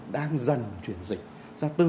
đang dần chuyển dịch ra từ